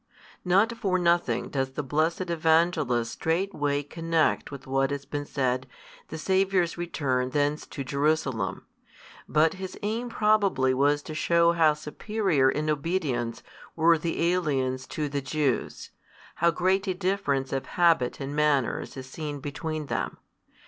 Not for nothing does the blessed Evangelist straightway connect with what has been said the Saviour's return thence to Jerusalem: but his aim probably was to shew how superior in obedience were the aliens to the Jews, how great a difference of habit and manners is seen between them.